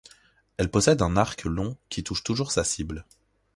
Elle possède un arc long qui touche toujours sa cible.